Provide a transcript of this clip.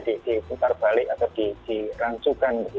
di putar balik atau di rancukan